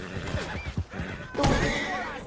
栗齿鼩鼱为鼩鼱科鼩鼱属的动物。